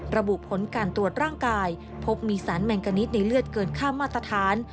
ระบุผลการตรวจร่างกายพบมีสารแมงกานิดในเลือดเกินค่ามาตรฐาน